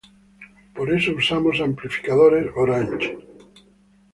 Por eso usamos amplificadores Orange".